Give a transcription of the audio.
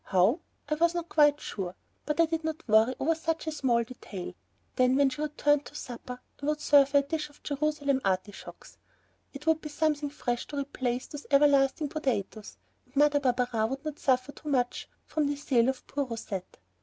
How? I was not quite sure, but I did not worry over such a small detail; then when she returned to supper I would serve her a dish of Jerusalem artichokes! It would be something fresh to replace those everlasting potatoes, and Mother Barberin would not suffer too much from the sale of poor Rousette.